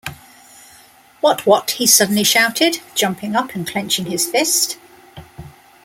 “What — what!” he suddenly shouted, jumping up and clenching his fist.